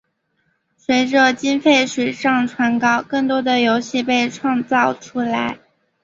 随着经费水涨船高更多的游戏被创造出来。